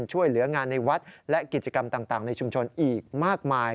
ช่วยเหลืองานในวัดและกิจกรรมต่างในชุมชนอีกมากมาย